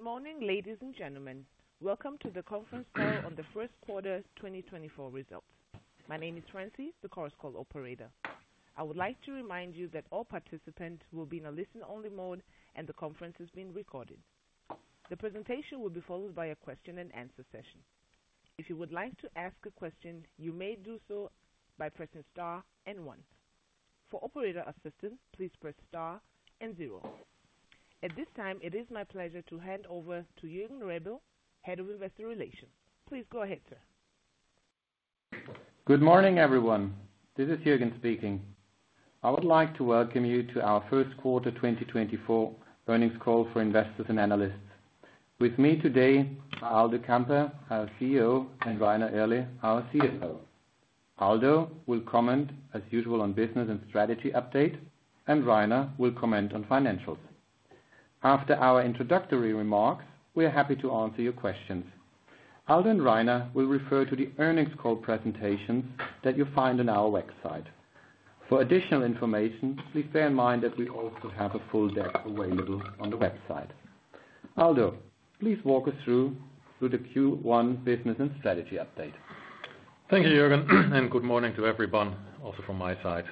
Good morning, ladies and gentlemen. Welcome to the conference call on the first quarter 2024 results. My name is Francie, the conference call operator. I would like to remind you that all participants will be in a listen-only mode, and the conference is being recorded. The presentation will be followed by a question and answer session. If you would like to ask a question, you may do so by pressing star and one. For operator assistance, please press star and zero. At this time, it is my pleasure to hand over to Jürgen Rebel, Head of Investor Relations. Please go ahead, sir. Good morning, everyone. This is Jürgen speaking. I would like to welcome you to our first quarter 2024 earnings call for investors and analysts. With me today are Aldo Kamper, our CEO, and Rainer Irle, our CFO. Aldo will comment, as usual, on business and strategy update, and Rainer will comment on financials. After our introductory remarks, we are happy to answer your questions. Aldo and Rainer will refer to the earnings call presentation that you'll find on our website. For additional information, please bear in mind that we also have a full deck available on the website. Aldo, please walk us through the Q1 business and strategy update. Thank you, Jürgen, and good morning to everyone, also from my side.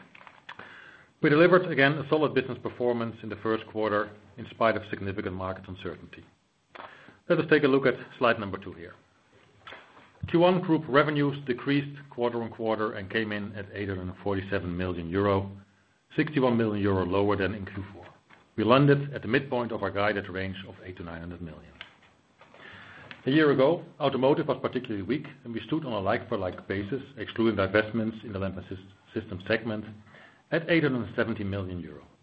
We delivered, again, a solid business performance in the first quarter in spite of significant market uncertainty. Let us take a look at slide number two here. Q1 group revenues decreased quarter-on-quarter and came in at 847 million euro, 61 million euro lower than in Q4. We landed at the midpoint of our guided range of 800 million-900 million. A year ago, automotive was particularly weak, and we stood on a like-for-like basis, excluding divestments in the Lamps and Systems segment at 870 million euro. We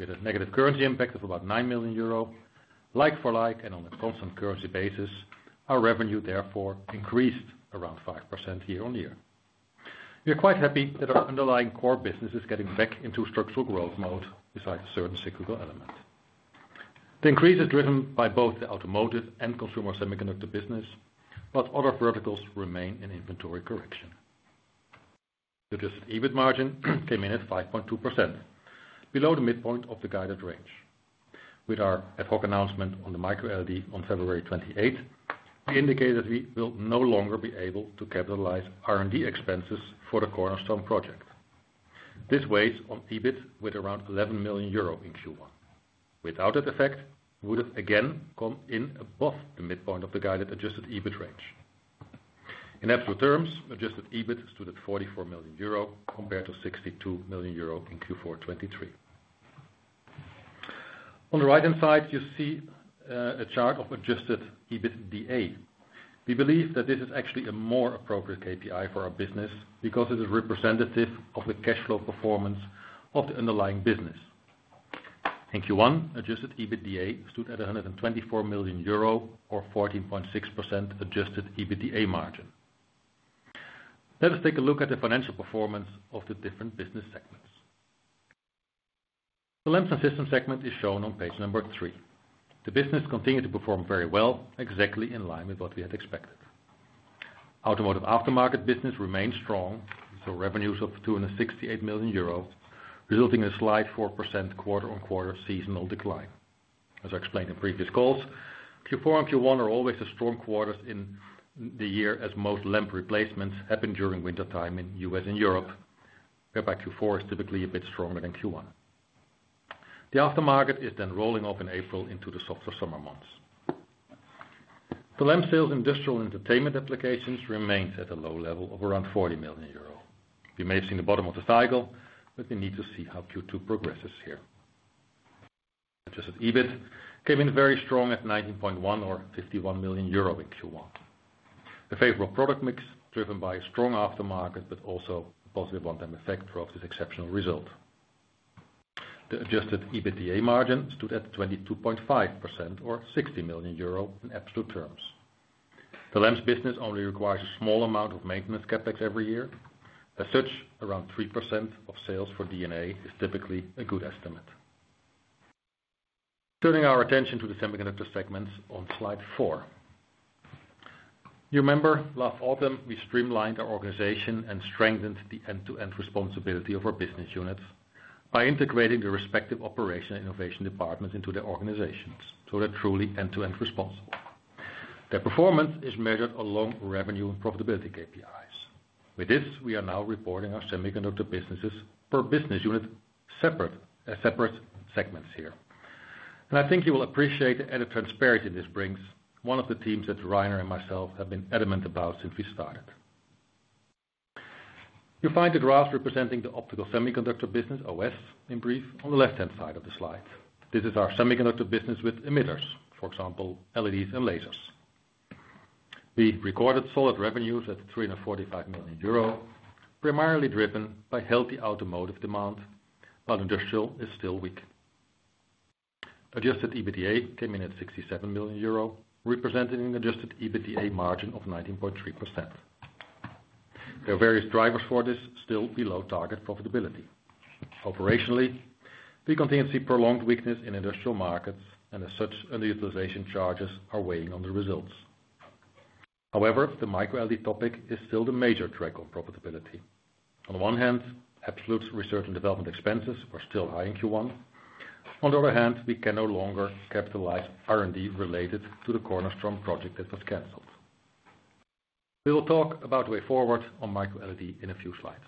had a negative currency impact of about 9 million euro. Like-for-like, and on a constant currency basis, our revenue therefore increased around 5% year-on-year. We are quite happy that our underlying core business is getting back into structural growth mode beside a certain cyclical element. The increase is driven by both the automotive and consumer semiconductor business, but other verticals remain in inventory correction. The adjusted EBIT margin came in at 5.2%, below the midpoint of the guided range. With our ad hoc announcement on the microLED on February 28, we indicated we will no longer be able to capitalize R&D expenses for the Cornerstone Project. This weighs on EBIT with around 11 million euro in Q1. Without that effect, we would have again come in above the midpoint of the guided adjusted EBIT range. In absolute terms, adjusted EBIT stood at 44 million euro, compared to 62 million euro in Q4 2023. On the right-hand side, you see a chart of adjusted EBITDA. We believe that this is actually a more appropriate KPI for our business because it is representative of the cash flow performance of the underlying business. In Q1, adjusted EBITDA stood at 124 million euro, or 14.6% adjusted EBITDA margin. Let us take a look at the financial performance of the different business segments. The Lamps and Systems segment is shown on page number three. The business continued to perform very well, exactly in line with what we had expected. Automotive aftermarket business remained strong, with the revenues of 268 million euros, resulting in a slight 4% quarter-on-quarter seasonal decline. As I explained in previous calls, Q4 and Q1 are always the strong quarters in the year, as most lamp replacements happen during wintertime in U.S. and Europe, whereby Q4 is typically a bit stronger than Q1. The aftermarket is then rolling off in April into the softer summer months. The lamp sales in industrial and entertainment applications remains at a low level of around 40 million euro. We may have seen the bottom of the cycle, but we need to see how Q2 progresses here. Adjusted EBIT came in very strong at 19.1% or 51 million euro in Q1. The favorable product mix, driven by a strong aftermarket but also a positive one-time effect, drove this exceptional result. The adjusted EBITDA margin stood at 22.5%, or 60 million euro in absolute terms. The lamps business only requires a small amount of maintenance CapEx every year. As such, around 3% of sales for L&S is typically a good estimate. Turning our attention to the semiconductor segments on slide four. You remember last autumn, we streamlined our organization and strengthened the end-to-end responsibility of our business units by integrating the respective operation and innovation departments into their organizations, so they're truly end-to-end responsible. Their performance is measured along revenue and profitability KPIs. With this, we are now reporting our semiconductor businesses per business unit separate, as separate segments here. And I think you will appreciate the added transparency this brings, one of the themes that Rainer and myself have been adamant about since we started. You'll find the graph representing the Optical Semiconductor business, OS in brief, on the left-hand side of the slide. This is our semiconductor business with emitters, for example, LEDs and lasers. We recorded solid revenues at 345 million euro, primarily driven by healthy automotive demand, but industrial is still weak. Adjusted EBITDA came in at 67 million euro, representing an adjusted EBITDA margin of 19.3%. There are various drivers for this still below target profitability. Operationally, we continue to see prolonged weakness in industrial markets, and as such, underutilization charges are weighing on the results. However, the microLED topic is still the major track of profitability. On one hand, absolute research and development expenses are still high in Q1. On the other hand, we can no longer capitalize R&D related to the cornerstone project that was canceled. We will talk about the way forward on microLED in a few slides.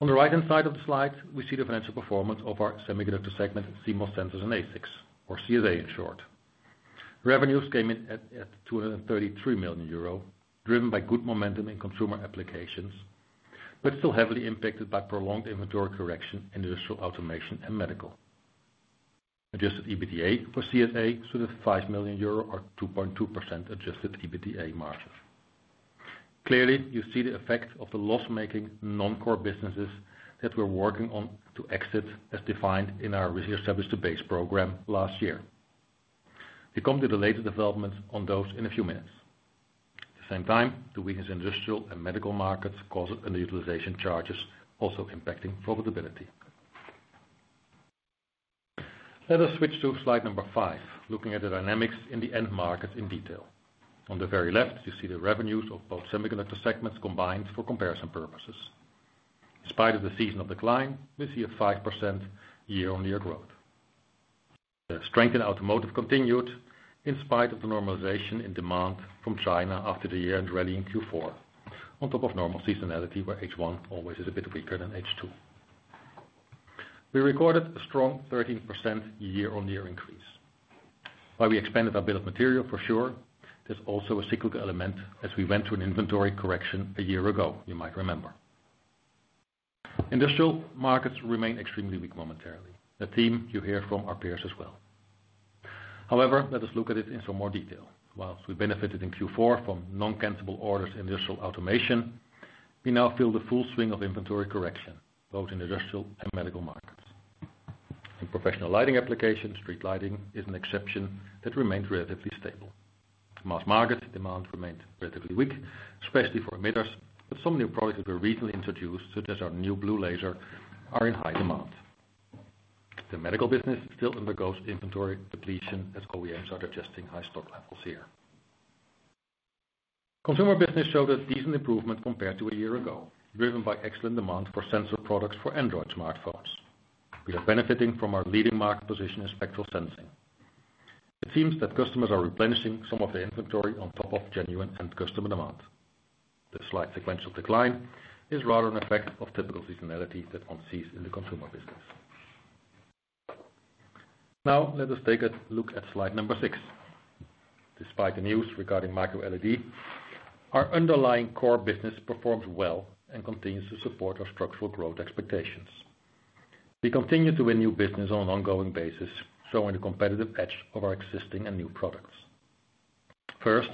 On the right-hand side of the slide, we see the financial performance of our semiconductor segment, CMOS sensors, and ASICs, or CSA in short. Revenues came in at 233 million euro, driven by good momentum in consumer applications, but still heavily impacted by prolonged inventory correction in industrial automation and medical. Adjusted EBITDA for CSA to the 5 million euro or 2.2% adjusted EBITDA margins. Clearly, you see the effect of the loss-making non-core businesses that we're working on to exit, as defined in our Re-establish the Base program last year. We come to the latest developments on those in a few minutes. At the same time, the weakness in industrial and medical markets causes underutilization charges, also impacting profitability. Let us switch to slide number 5, looking at the dynamics in the end markets in detail. On the very left, you see the revenues of both semiconductor segments combined for comparison purposes. In spite of the seasonal decline, we see a 5% year-on-year growth. The strength in automotive continued in spite of the normalization in demand from China after the year and rally in Q4, on top of normal seasonality, where H1 always is a bit weaker than H2. We recorded a strong 13% year-on-year increase. While we expanded our bill of material, for sure, there's also a cyclical element as we went through an inventory correction a year ago, you might remember. Industrial markets remain extremely weak momentarily, a theme you hear from our peers as well. However, let us look at it in some more detail. While we benefited in Q4 from non-cancellable orders in industrial automation, we now feel the full swing of inventory correction, both in industrial and medical markets. In professional lighting applications, street lighting is an exception that remains relatively stable. Mass market demand remains relatively weak, especially for emitters, but some new products that were recently introduced, such as our new blue laser, are in high demand. The Medical business still undergoes inventory depletion as OEMs are adjusting high stock levels here. Consumer business showed a decent improvement compared to a year ago, driven by excellent demand for sensor products for Android smartphones. We are benefiting from our leading market position in spectral sensing. It seems that customers are replenishing some of their inventory on top of genuine end customer demand. The slight sequential decline is rather an effect of typical seasonality that one sees in the consumer business. Now, let us take a look at slide number six. Despite the news regarding microLED, our underlying core business performs well and continues to support our structural growth expectations. We continue to win new business on an ongoing basis, showing the competitive edge of our existing and new products. First,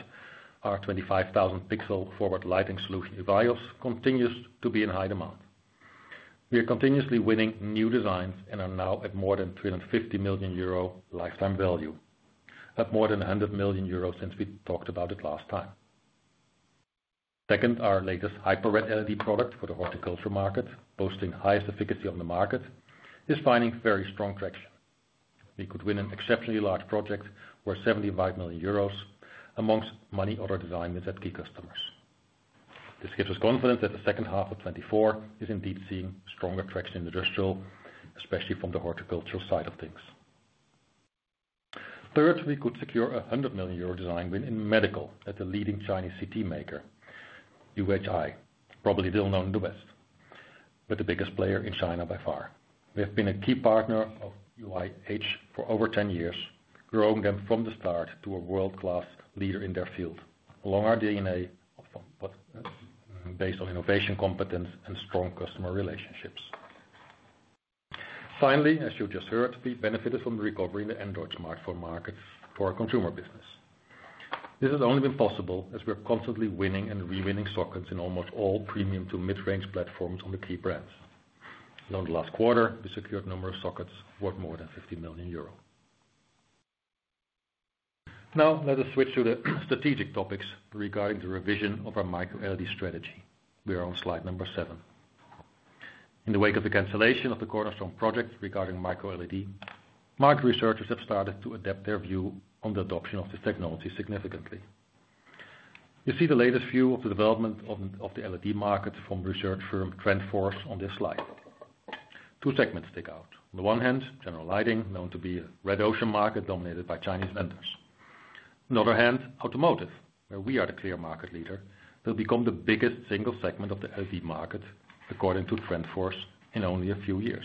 our 25,000 pixel forward lighting solution, EVIYOS, continues to be in high demand. We are continuously winning new designs and are now at more than 350 million euro lifetime value, at more than 100 million euro since we talked about it last time. Second, our latest Hyper Red LED product for the horticulture market, boasting highest efficacy on the market, is finding very strong traction. We could win an exceptionally large project worth 75 million euros amongst many other design wins at key customers. This gives us confidence that the second half of 2024 is indeed seeing stronger traction in industrial, especially from the horticultural side of things. Third, we could secure a 100 million euro design win in medical at the leading Chinese CT maker, UIH, probably little known in the West, but the biggest player in China by far. We have been a key partner of UIH for over 10 years, growing them from the start to a world-class leader in their field, along our DNA of, but, based on innovation, competence, and strong customer relationships. Finally, as you just heard, we benefited from the recovery in the Android smartphone market for our Consumer business. This has only been possible as we are constantly winning and re-winning sockets in almost all premium to mid-range platforms on the key brands. In the last quarter, we secured a number of sockets worth more than 50 million euro. Now, let us switch to the strategic topics regarding the revision of our microLED strategy. We are on slide number seven. In the wake of the cancellation of the cornerstone project regarding microLED, market researchers have started to adapt their view on the adoption of this technology significantly. You see the latest view of the development of, of the LED market from research firm TrendForce on this slide. Two segments stick out. On the one hand, general lighting, known to be a red ocean market dominated by Chinese vendors. On the other hand, automotive, where we are the clear market leader, will become the biggest single segment of the LED market, according to TrendForce, in only a few years.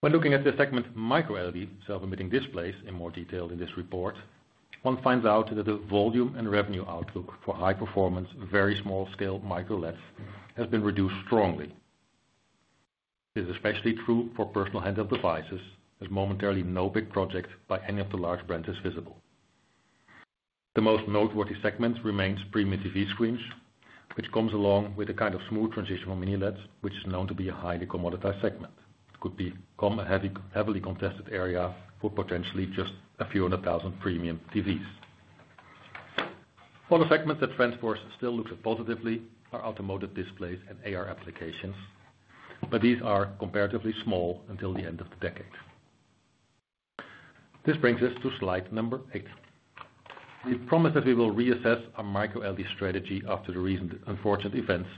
When looking at the segment, microLED, self-emitting displays, in more detail in this report, one finds out that the volume and revenue outlook for high performance, very small-scale microLEDs, has been reduced strongly. This is especially true for personal handheld devices, as momentarily no big project by any of the large brands is visible. The most noteworthy segment remains premium TV screens, which comes along with a kind of smooth transition from mini LEDs, which is known to be a highly commoditized segment. It could become a heavy, heavily contested area for potentially just a few hundred thousand premium TVs... For the segments that TrendForce still looks at positively are automotive displays and AR applications, but these are comparatively small until the end of the decade. This brings us to slide number 8. We promise that we will reassess our microLED strategy after the recent unfortunate events,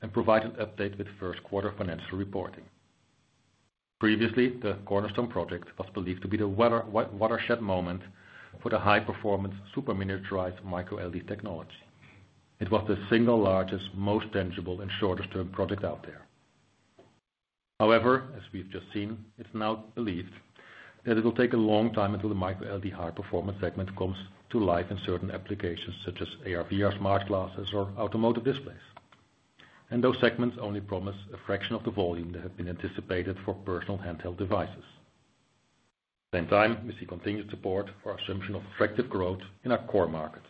and provide an update with first quarter financial reporting. Previously, the cornerstone project was believed to be the watershed moment for the high-performance, super miniaturized microLED technology. It was the single largest, most tangible, and shortest-term project out there. However, as we've just seen, it's now believed that it will take a long time until the microLED high-performance segment comes to life in certain applications such as AR/VR smart glasses or automotive displays. Those segments only promise a fraction of the volume that had been anticipated for personal handheld devices. Same time, we see continued support for our assumption of attractive growth in our core markets.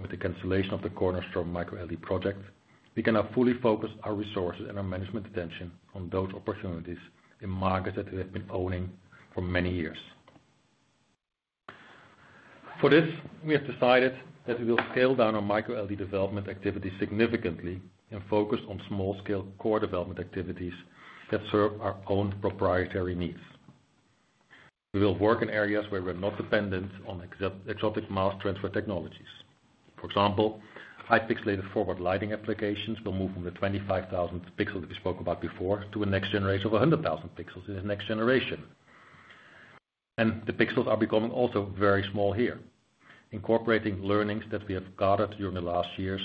With the cancellation of the Cornerstone microLED project, we can now fully focus our resources and our management attention on those opportunities in markets that we have been owning for many years. For this, we have decided that we will scale down our microLED development activity significantly, and focus on small-scale core development activities that serve our own proprietary needs. We will work in areas where we're not dependent on exotic mask transfer technologies. For example, high pixelated forward lighting applications will move from the 25,000 pixels we spoke about before, to a next generation of 100,000 pixels in the next generation. And the pixels are becoming also very small here. Incorporating learnings that we have gathered during the last years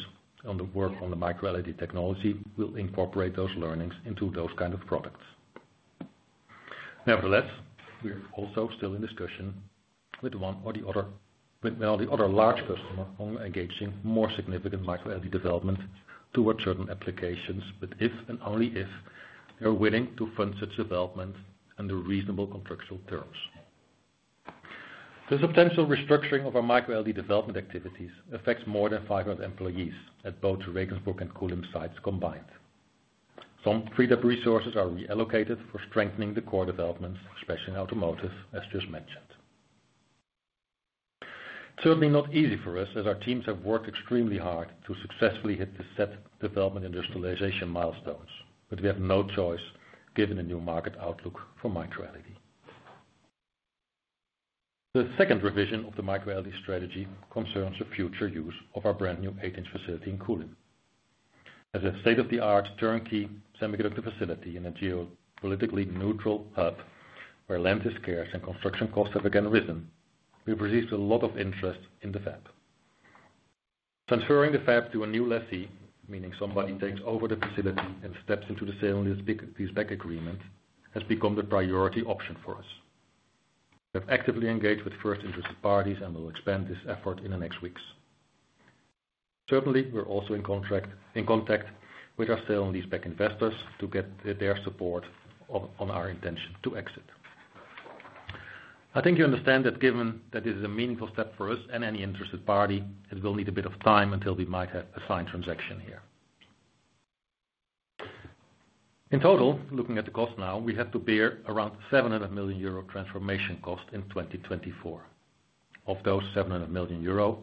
on the work on the microLED technology, we'll incorporate those learnings into those kind of products. Nevertheless, we are also still in discussion with one or the other, with all the other large customer on engaging more significant microLED development towards certain applications, but if and only if they are willing to fund such development under reasonable contractual terms. The substantial restructuring of our microLED development activities affects more than 500 employees at both Regensburg and Kulim sites combined. Some freed up resources are reallocated for strengthening the core developments, especially in automotive, as just mentioned. Certainly not easy for us, as our teams have worked extremely hard to successfully hit the set development industrialization milestones, but we have no choice given the new market outlook for microLED. The second revision of the microLED strategy concerns the future use of our brand-new 8-inch facility in Kulim. As a state-of-the-art turnkey semiconductor facility in a geopolitically neutral hub, where land is scarce and construction costs have again risen, we've received a lot of interest in the fab. Transferring the fab to a new lessee, meaning somebody takes over the facility and steps into the sale and lease back, leaseback agreement, has become the priority option for us. We've actively engaged with first interested parties and will expand this effort in the next weeks. Certainly, we're also in contract, in contact with our sale and leaseback investors to get their support on our intention to exit. I think you understand that given that this is a meaningful step for us and any interested party, it will need a bit of time until we might have a signed transaction here. In total, looking at the cost now, we had to bear around 700 million euro transformation cost in 2024. Of those 700 million euro,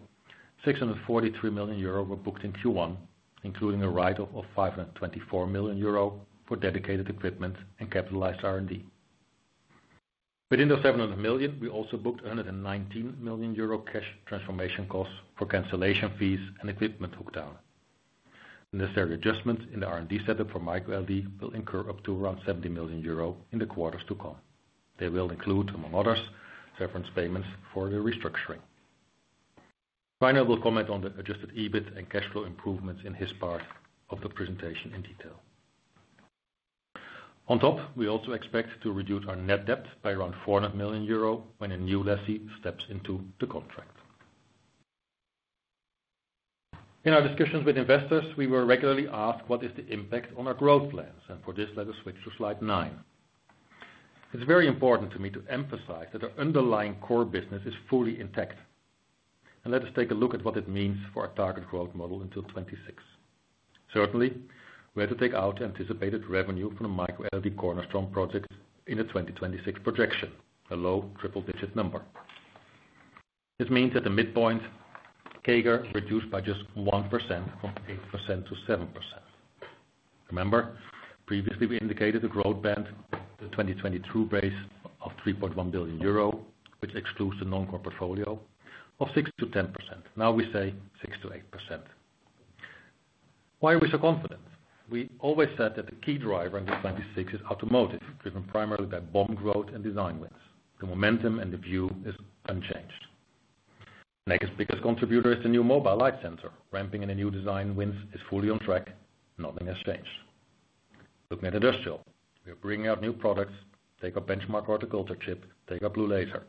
643 million euro were booked in Q1, including a write-off of 524 million euro for dedicated equipment and capitalized R&D. Within the seven hundred million, we also booked 119 million euro cash transformation costs for cancellation fees and equipment written down. Necessary adjustments in the R&D setup for microLED will incur up to around 70 million euro in the quarters to come. They will include, among others, severance payments for the restructuring. Finally, we'll comment on the adjusted EBIT and cash flow improvements in his part of the presentation in detail. On top, we also expect to reduce our net debt by around 400 million euro when a new lessee steps into the contract. In our discussions with investors, we were regularly asked: What is the impact on our growth plans? And for this, let us switch to slide 9. It's very important to me to emphasize that our underlying core business is fully intact. And let us take a look at what it means for our target growth model until 2026. Certainly, we had to take out the anticipated revenue from the microLED Cornerstone Project in the 2026 projection, a low double-digit number. This means that the midpoint CAGR reduced by just 1% from 8%-7%. Remember, previously we indicated a growth band, the 2022 base of 3.1 billion euro, which excludes the non-core portfolio of 6%-10%. Now we say 6%-8%. Why are we so confident? We always said that the key driver in 2026 is automotive, driven primarily by BOM growth and design wins. The momentum and the view is unchanged. Next biggest contributor is the new mobile light sensor. Ramping in a new design wins is fully on track, nothing has changed. Looking at industrial, we are bringing out new products, take our benchmark horticulture chip, take our blue laser.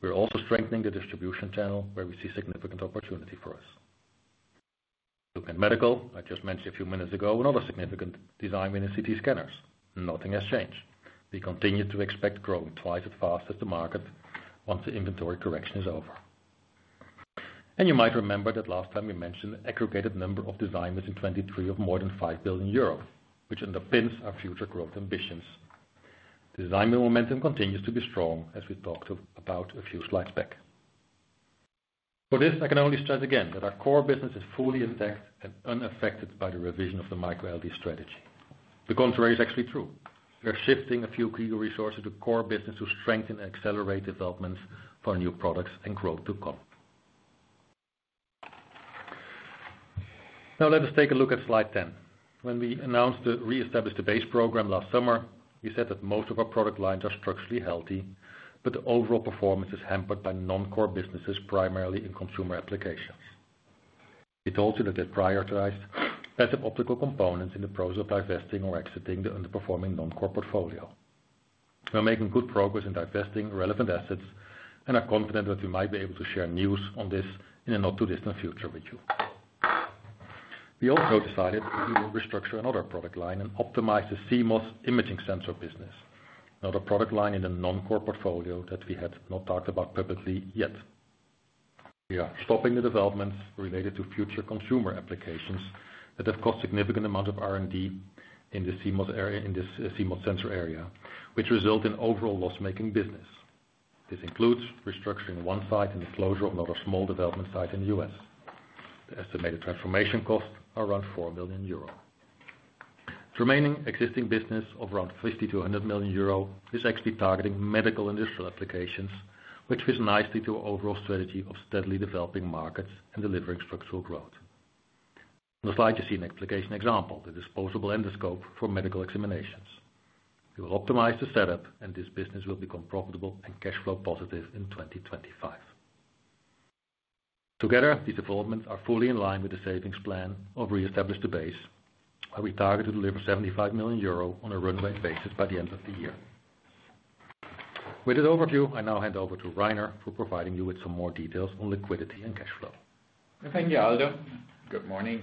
We're also strengthening the distribution channel, where we see significant opportunity for us. Looking at medical, I just mentioned a few minutes ago, another significant design win in CT scanners. Nothing has changed. We continue to expect growing twice as fast as the market once the inventory correction is over. And you might remember that last time we mentioned aggregated number of design wins in 2023 of more than 5 billion euros, which underpins our future growth ambitions.... The design momentum continues to be strong, as we talked of, about a few slides back. For this, I can only stress again that our core business is fully intact and unaffected by the revision of the microLED strategy. The contrary is actually true. We are shifting a few key resources to core business to strengthen and accelerate development for new products and growth to come. Now let us take a look at slide 10. When we announced the Re-establish the Base program last summer, we said that most of our product lines are structurally healthy, but the overall performance is hampered by non-core businesses, primarily in consumer applications. We told you that they prioritized passive optical components in the process of divesting or exiting the underperforming non-core portfolio. We're making good progress in divesting relevant assets and are confident that we might be able to share news on this in the not-too-distant future with you. We also decided we will restructure another product line and optimize the CMOS imaging sensor business. Now, the product line in the non-core portfolio that we had not talked about publicly yet. We are stopping the developments related to future consumer applications that have cost significant amount of R&D in the CMOS area, in the CMOS sensor area, which result in overall loss-making business. This includes restructuring one site and the closure of another small development site in the U.S. The estimated transformation costs are around 4 million euro. The remaining existing business of around 50 million euro- 100 million euro is actually targeting medical and digital applications, which fits nicely to our overall strategy of steadily developing markets and delivering structural growth. On the slide, you see an application example, the disposable endoscope for medical examinations. We will optimize the setup, and this business will become profitable and cash flow positive in 2025. Together, these developments are fully in line with the savings plan of Re-establish the Base, where we target to deliver 75 million euro on a run-rate basis by the end of the year. With this overview, I now hand over to Rainer for providing you with some more details on liquidity and cash flow. Thank you, Aldo. Good morning.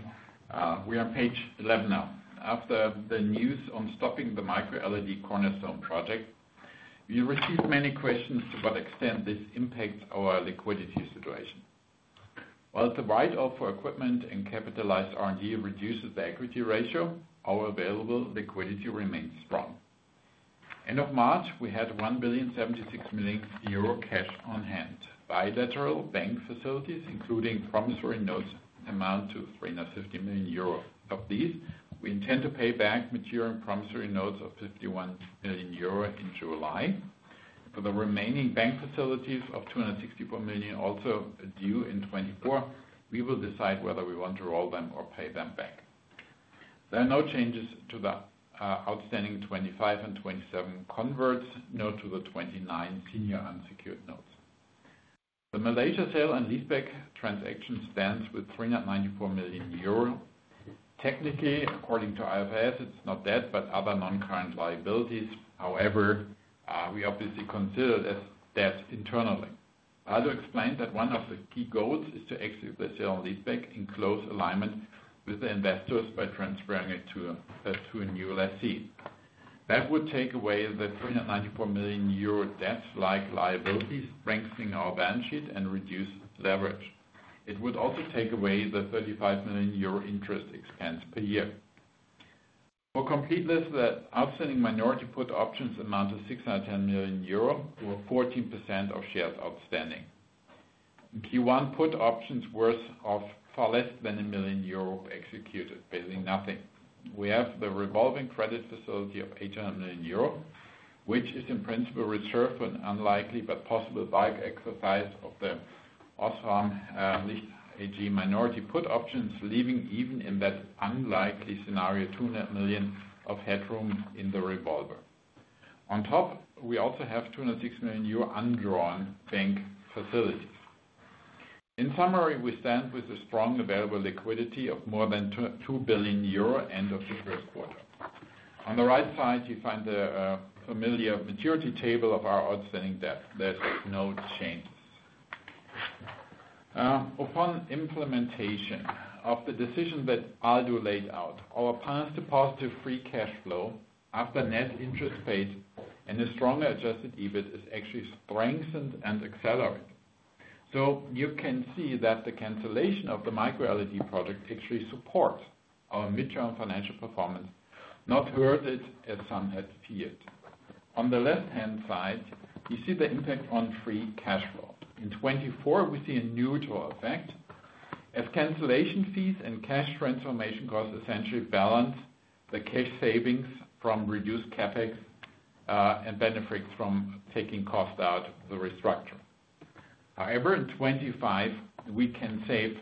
We are on page eleven now. After the news on stopping the microLED cornerstone project, we received many questions to what extent this impacts our liquidity situation. While the write-off for equipment and capitalized R&D reduces the equity ratio, our available liquidity remains strong. End of March, we had 1,076 million euro cash on hand. Bilateral bank facilities, including promissory notes, amount to 350 million euro. Of these, we intend to pay back material and promissory notes of 51 million euro in July. For the remaining bank facilities of 264 million, also due in 2024, we will decide whether we want to roll them or pay them back. There are no changes to the outstanding 2025 and 2027 converts, nor to the 2029 senior unsecured notes. The Malaysia sale and leaseback transaction stands with 394 million euro. Technically, according to IFRS, it's not debt, but other non-current liabilities. However, we obviously consider that debt internally. Aldo explained that one of the key goals is to execute the sale and leaseback in close alignment with the investors by transferring it to a, to a new lessee. That would take away the 394 million euro debt-like liability, strengthening our balance sheet and reduce leverage. It would also take away the 35 million euro interest expense per year. For completeness, the outstanding minority put options amount to 610 million euro, or 14% of shares outstanding. In Q1, put options worth of far less than 1 million euro executed, basically nothing. We have the revolving credit facility of 800 million euro, which is in principle reserved for an unlikely but possible buyback exercise of the OSRAM AG minority put options, leaving even in that unlikely scenario, 200 million of headroom in the revolver. On top, we also have 260 million euro undrawn bank facilities. In summary, we stand with a strong available liquidity of more than 2 billion euro end of the first quarter. On the right side, you find the familiar maturity table of our outstanding debt. There's no changes. Upon implementation of the decision that Aldo laid out, our path to positive free cash flow after net interest paid and a stronger adjusted EBIT is actually strengthened and accelerated. So you can see that the cancellation of the microLED project actually supports our mid-term financial performance, not hurt it, as some had feared. On the left-hand side, you see the impact on free cash flow. In 2024, we see a neutral effect, as cancellation fees and cash transformation costs essentially balance the cash savings from reduced CapEx, and benefits from taking costs out of the restructure. However, in 2025, we can save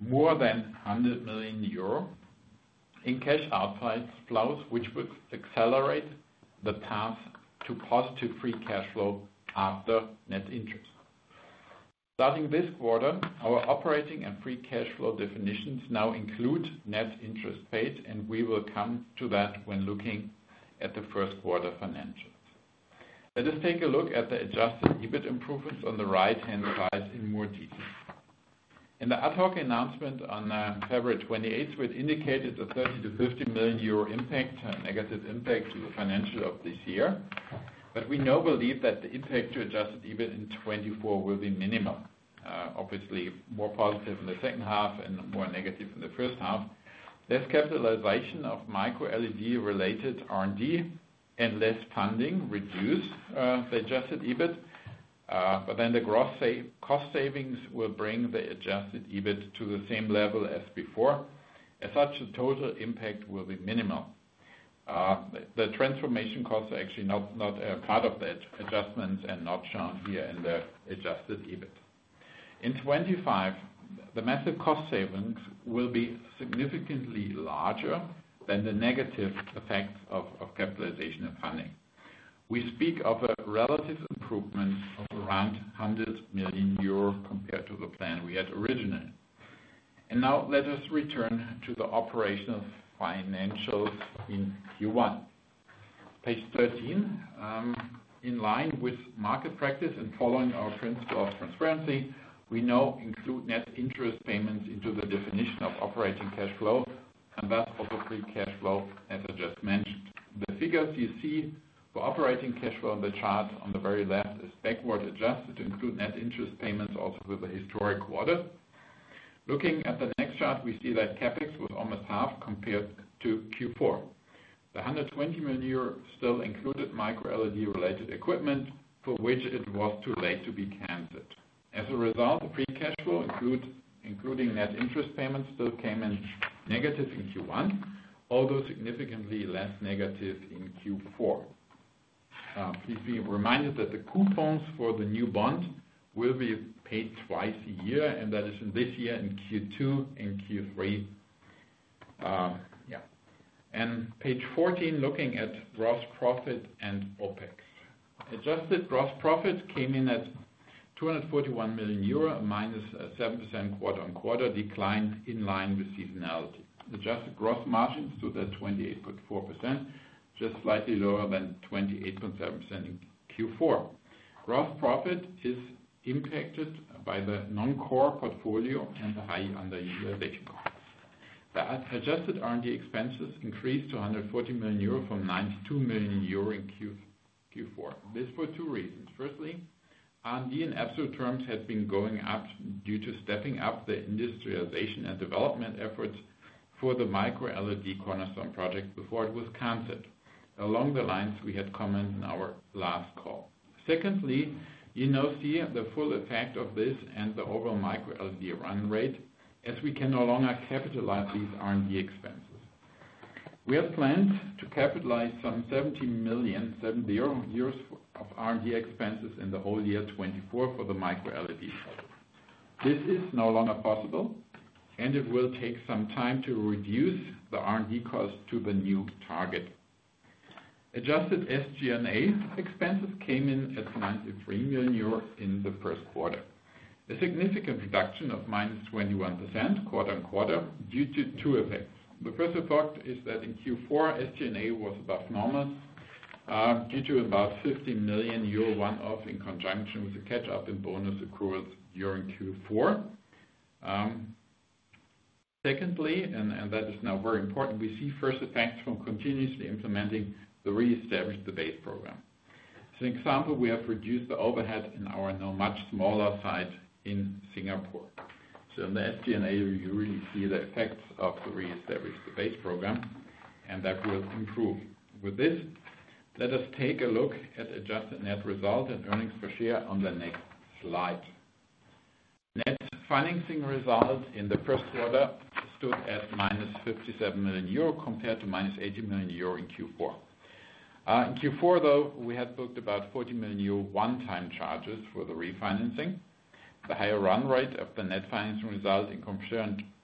more than 100 million euro in cash outflows, which would accelerate the path to positive free cash flow after net interest. Starting this quarter, our operating and free cash flow definitions now include net interest paid, and we will come to that when looking at the first quarter financials. Let us take a look at the adjusted EBIT improvements on the right-hand side in more detail. In the ad hoc announcement on February 28th, we had indicated a 30 million-50 million euro impact, negative impact to the financial of this year. But we now believe that the impact to Adjusted EBIT in 2024 will be minimal. Obviously, more positive in the second half and more negative in the first half. Less capitalization of microLED related R&D and less funding reduce the Adjusted EBIT, but then the gross cost savings will bring the Adjusted EBIT to the same level as before. As such, the total impact will be minimal. The transformation costs are actually not part of that adjustment and not shown here in the Adjusted EBIT. In 2025, the massive cost savings will be significantly larger than the negative effects of capitalization and funding. We speak of a relative improvement of around 100 million euro compared to the plan we had originally. Now let us return to the operational financials in Q1. Page 13, in line with market practice and following our principle of transparency, we now include net interest payments into the definition of operating cash flow, and thus, also free cash flow, as I just mentioned. The figures you see for operating cash flow on the chart on the very left is backward adjusted to include net interest payments, also with the historic quarter. Looking at the next chart, we see that CapEx was almost half compared to Q4. The 120 million euro still included microLED related equipment for which it was too late to be canceled. As a result, the free cash flow, including net interest payments, still came in negative in Q1, although significantly less negative in Q4. Please be reminded that the coupons for the new bond will be paid twice a year, and that is in this year, in Q2 and Q3. Page 14, looking at gross profit and OpEx. Adjusted gross profit came in at 241 million euro, minus a 7% quarter-on-quarter decline in line with seasonality. Adjusted gross margins to the 28.4%, just slightly lower than 28.7% in Q4. Gross profit is impacted by the non-core portfolio and the high underutilization. The adjusted R&D expenses increased to 140 million euro from 92 million euro in Q4. This for two reasons: firstly, R&D in absolute terms had been going up due to stepping up the industrialization and development efforts for the microLED Cornerstone Project before it was canceled. Along the lines, we had commented in our last call. Secondly, you now see the full effect of this and the overall microLED run rate, as we can no longer capitalize these R&D expenses. We have planned to capitalize some 70 million euros of R&D expenses in the whole year 2024 for the microLED. This is no longer possible, and it will take some time to reduce the R&D cost to the new target. Adjusted SG&A expenses came in at 93 million euros in the first quarter. A significant reduction of -21%, quarter-on-quarter, due to two effects. The first effect is that in Q4, SG&A was above normal, due to about 50 million euro one-off in conjunction with the catch-up in bonus accruals during Q4. Secondly, and that is now very important, we see first effects from continuously implementing the Re-establish the Base program. As an example, we have reduced the overhead in our now much smaller site in Singapore. So in the SG&A, you really see the effects of the Re-establish the Base program, and that will improve. With this, let us take a look at adjusted net result and earnings per share on the next slide. Net financing results in the first quarter stood at -57 million euro, compared to -80 million euro in Q4. In Q4, though, we had booked about 40 million euro one-time charges for the refinancing. The higher run rate of the net financing result in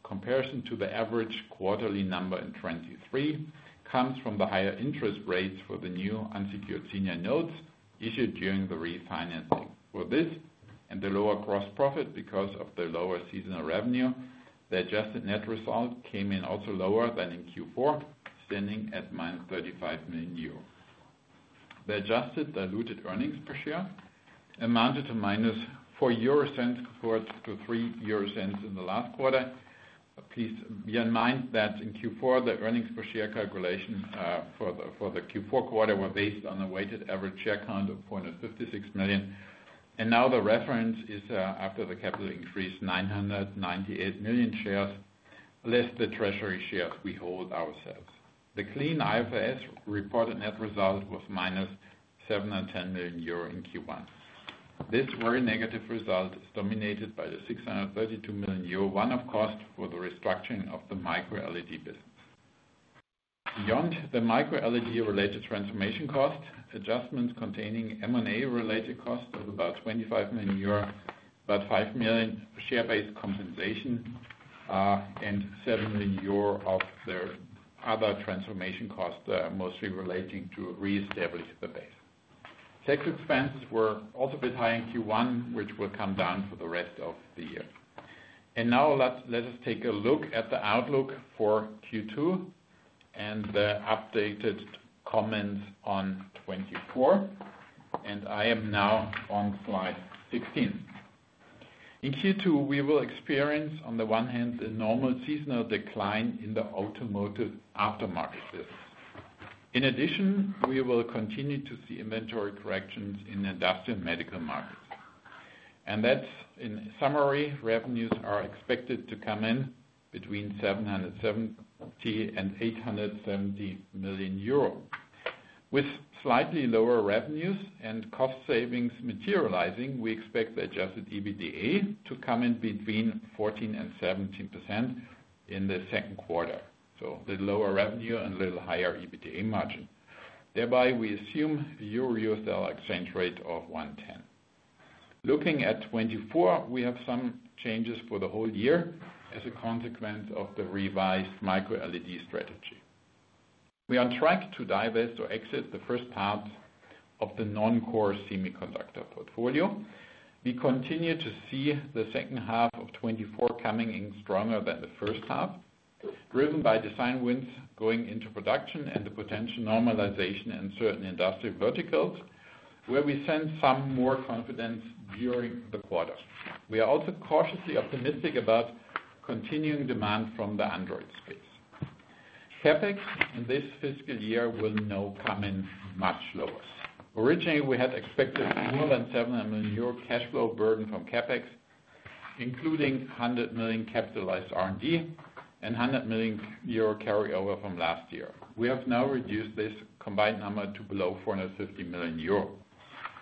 comparison to the average quarterly number in 2023, comes from the higher interest rates for the new unsecured senior notes issued during the refinancing. For this, and the lower gross profit because of the lower seasonal revenue, the adjusted net result came in also lower than in Q4, standing at -35 million euros. The adjusted diluted earnings per share amounted to -0.04 EUR, compared to 0.03 EUR in the last quarter. Please bear in mind that in Q4, the earnings per share calculation for the Q4 quarter, were based on a weighted average share count of 56 million. Now the reference is, after the capital increase, 998 million shares, less the treasury shares we hold ourselves. The clean IFRS reported net result was -710 million euro in Q1. This very negative result is dominated by the 632 million euro one-off cost for the restructuring of the microLED business. Beyond the microLED-related transformation cost, adjustments containing M&A related costs of about 25 million euro, about 5 million share-based compensation, and 7 million euro of the other transformation costs, mostly relating to Re-establish the Base. Tax expenses were also a bit high in Q1, which will come down for the rest of the year. Now let us take a look at the outlook for Q2 and the updated comments on 2024. I am now on slide 16... In Q2, we will experience, on the one hand, the normal seasonal decline in the automotive aftermarket sales. In addition, we will continue to see inventory corrections in industrial medical markets. And that's, in summary, revenues are expected to come in between 770 million and 870 million euro. With slightly lower revenues and cost savings materializing, we expect the adjusted EBITDA to come in between 14% and 17% in the second quarter. So a little lower revenue and a little higher EBITDA margin. Thereby, we assume the EUR-US dollar exchange rate of $1.10. Looking at 2024, we have some changes for the whole year as a consequence of the revised microLED strategy. We are on track to divest or exit the first half of the non-core semiconductor portfolio. We continue to see the second half of 2024 coming in stronger than the first half, driven by design wins going into production and the potential normalization in certain industrial verticals, where we sense some more confidence during the quarter. We are also cautiously optimistic about continuing demand from the Android space. CapEx in this fiscal year will now come in much lower. Originally, we had expected more than 700 million euro cash flow burden from CapEx, including 100 million capitalized R&D and 100 million euro carryover from last year. We have now reduced this combined number to below 450 million euro.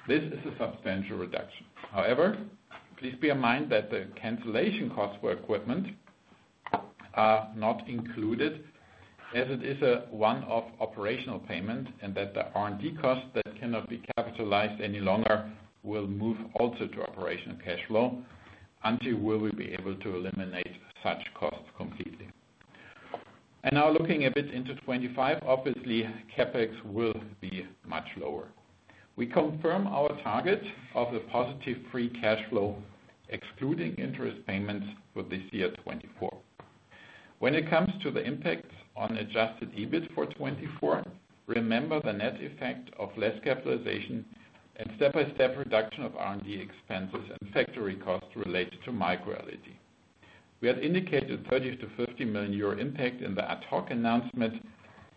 This is a substantial reduction. However, please bear in mind that the cancellation costs for equipment are not included, as it is a one-off operational payment, and that the R&D costs that cannot be capitalized any longer will move also to operational cash flow, until we will be able to eliminate such costs completely. Now looking a bit into 25, obviously, CapEx will be much lower. We confirm our target of a positive free cash flow, excluding interest payments for this year, 2024. When it comes to the impact on adjusted EBIT for 2024, remember the net effect of less capitalization and step-by-step reduction of R&D expenses and factory costs related to microLED. We had indicated 30 million-50 million euro impact in the ad hoc announcement,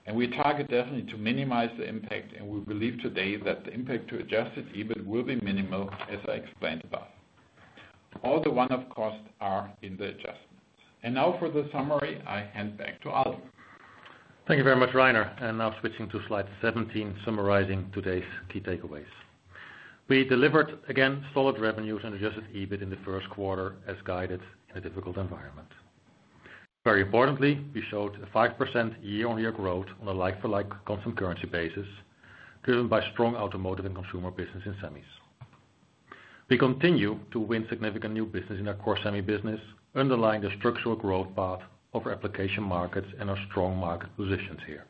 and we target definitely to minimize the impact, and we believe today that the impact to adjusted EBIT will be minimal, as I explained above. All the one-off costs are in the adjustments. And now for the summary, I hand back to Aldo. Thank you very much, Rainer. Now switching to slide 17, summarizing today's key takeaways. We delivered, again, solid revenues and Adjusted EBIT in the first quarter as guided in a difficult environment. Very importantly, we showed a 5% year-on-year growth on a like-for-like constant currency basis, driven by strong automotive and consumer business in semis. We continue to win significant new business in our core semi business, underlying the structural growth path of our application markets and our strong market positions here.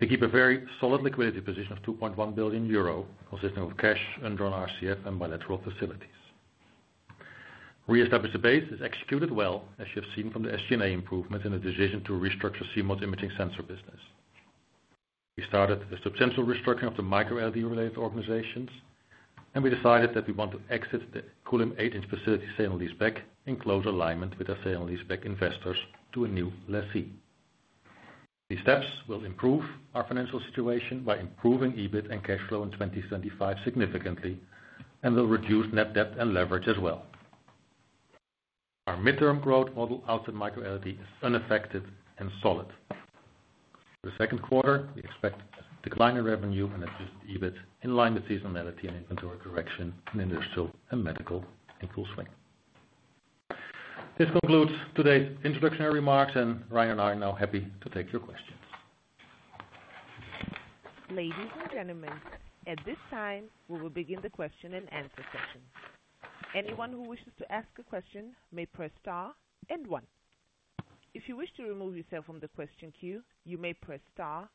We keep a very solid liquidity position of 2.1 billion euro, consisting of cash and drawn RCF and bilateral facilities. Re-establish the Base is executed well, as you have seen from the SG&A improvement and the decision to restructure CMOS imaging sensor business. We started a substantial restructuring of the microLED-related organizations, and we decided that we want to exit the Kulim eight-inch facility, sale and leaseback, in close alignment with our sale and leaseback investors to a new lessee. These steps will improve our financial situation by improving EBIT and cash flow in 2025 significantly and will reduce net debt and leverage as well. Our mid-term growth model outside microLED is unaffected and solid. For the second quarter, we expect a decline in revenue and Adjusted EBIT in line with seasonality and inventory correction in industrial and medical in full swing. This concludes today's introductory remarks, and Rainer and I are now happy to take your questions. Ladies and gentlemen, at this time, we will begin the question-and-answer session. Anyone who wishes to ask a question may press star and one. If you wish to remove yourself from the question queue, you may press star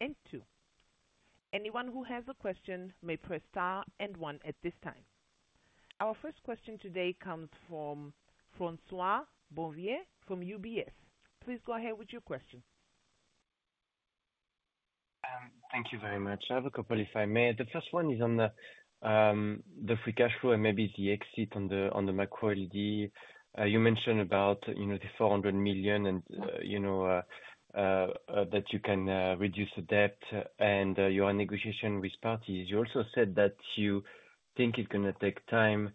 and two. Anyone who has a question may press star and one at this time. Our first question today comes from François-Xavier Bouvignies from UBS. Please go ahead with your question. Thank you very much. I have a couple, if I may. The first one is on the free cash flow and maybe the exit on the microLED. You mentioned about, you know, the 400 million and, you know, that you can reduce the debt and you are in negotiation with parties. You also said that you think it's gonna take time.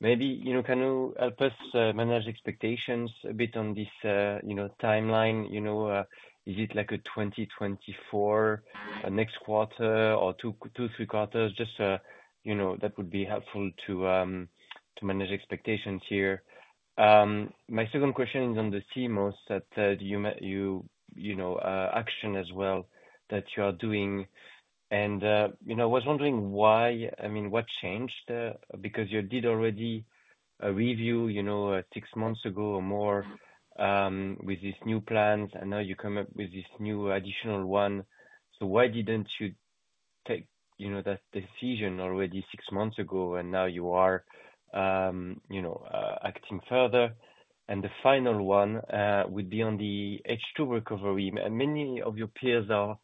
Maybe, you know, can you help us manage expectations a bit on this, you know, timeline? You know, is it like a 2024, next quarter or two to three quarters? Just, you know, that would be helpful to manage expectations here. My second question is on the CMOS that you—you know, action as well, that you are doing. I was wondering why... I mean, what changed, because you did already a review, you know, six months ago or more, with these new plans, and now you come up with this new additional one. So why didn't you take, you know, that decision already six months ago and now you are, you know, acting further? And the final one would be on the H2 recovery. Many of your peers are-...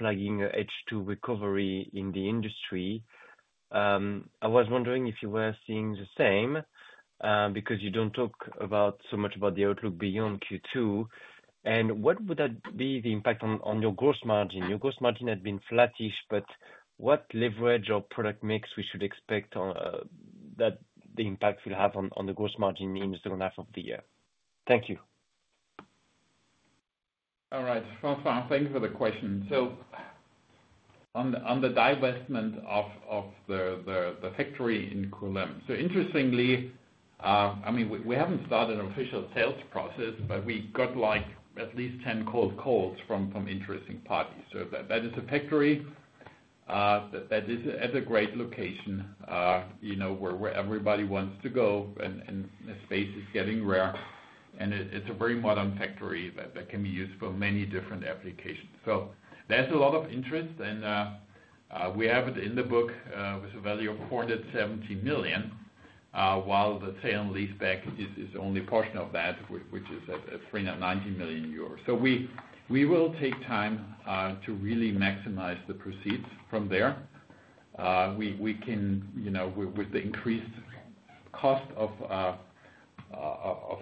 flagging a H2 recovery in the industry. I was wondering if you were seeing the same, because you don't talk about so much about the outlook beyond Q2. And what would that be, the impact on your gross margin? Your gross margin had been flattish, but what leverage or product mix we should expect on, that the impact will have on, on the gross margin in the second half of the year? Thank you. All right, François, thank you for the question. So on the divestment of the factory in Kulim. So interestingly, I mean, we haven't started an official sales process, but we got, like, at least 10 cold calls from interesting parties. So that is a factory that is at a great location, you know, where everybody wants to go, and the space is getting rare. And it's a very modern factory that can be used for many different applications. So there's a lot of interest, and we have it in the book with a value of 470 million, while the sale and leaseback is only a portion of that, which is at 390 million euros. So we will take time to really maximize the proceeds from there. We can, you know, with the increased cost of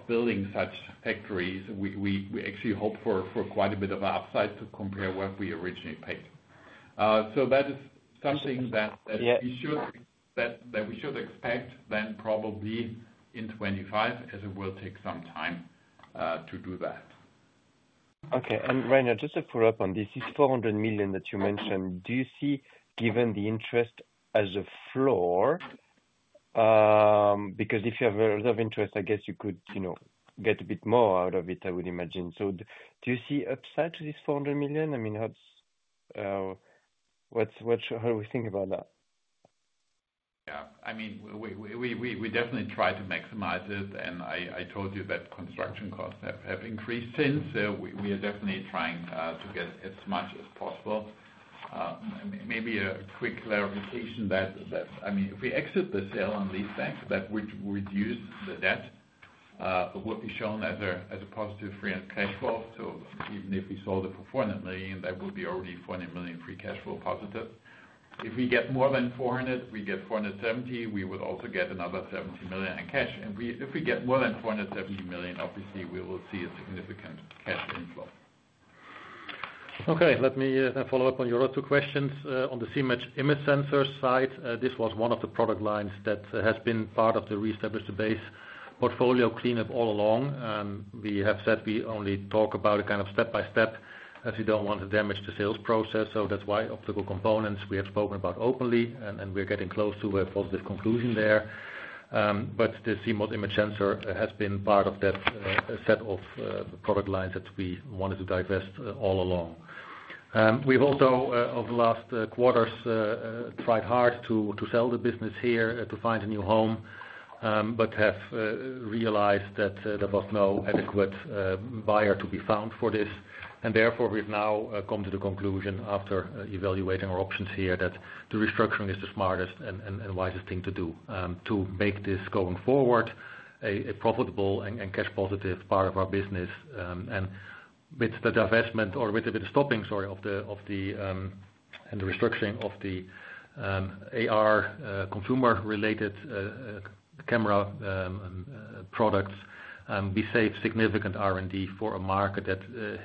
building such factories, we actually hope for quite a bit of an upside to compare what we originally paid. So that is something that- Yeah. We should, that we should expect then probably in 2025, as it will take some time to do that. Okay. Rainer, just to follow up on this, this 400 million that you mentioned, do you see, given the interest, as a floor? Because if you have a lot of interest, I guess you could, you know, get a bit more out of it, I would imagine. So do you see upside to this 400 million? I mean, that's what's... How do we think about that? Yeah. I mean, we definitely try to maximize it, and I told you that construction costs have increased since. We are definitely trying to get as much as possible. Maybe a quick clarification that, I mean, if we exit the sale and leaseback, that would use the debt, will be shown as a positive free cash flow. So even if we sold it for 400 million, that would be already 400 million free cash flow positive. If we get more than 400 million, we get 470 million, we would also get another 70 million in cash. And if we get more than 470 million, obviously we will see a significant cash inflow. Okay, let me follow up on your other two questions. On the CMOS image sensor side, this was one of the product lines that has been part of the Re-establish the Base portfolio cleanup all along. We have said we only talk about it kind of step by step, as we don't want to damage the sales process. So that's why optical components, we have spoken about openly, and we're getting close to a positive conclusion there. But the CMOS image sensor has been part of that set of product lines that we wanted to divest all along. We've also over the last quarters tried hard to sell the business here to find a new home, but have realized that there was no adequate buyer to be found for this. And therefore, we've now come to the conclusion after evaluating our options here, that the restructuring is the smartest and wisest thing to do, to make this going forward, a profitable and cash positive part of our business. And with the divestment, or with the stopping, sorry, of the, of the, and the restructuring of the, AR, consumer-related, camera, products, we save significant R&D for a market that